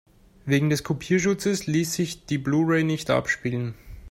Wegen des Kopierschutzes ließ sich die Blu-ray nicht abspielen.